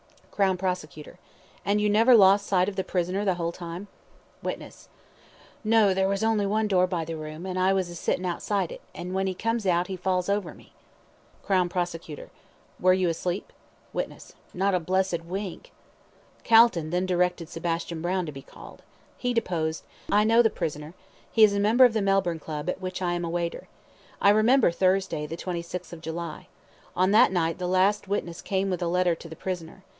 CROWN PROSECUTOR: And you never lost sight of the prisoner the whole time? WITNESS: No, there was only one door by the room, an' I was a sittin' outside it, an' when he comes out he falls over me. CROWN PROSECUTOR: Were you asleep? WITNESS: Not a blessed wink. Calton then directed Sebastian Brown to be called. He deposed I know the prisoner. He is a member of the Melbourne Club, at which I am a waiter. I remember Thursday, 26th July. On that night the last witness came with a letter to the prisoner.